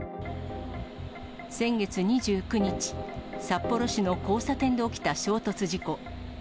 先月２９日、札幌市の交差点で起きた衝突事故。